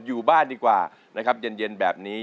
อยู่บ้านดีกว่านะครับเย็นแบบนี้